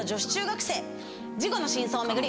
事故の真相を巡り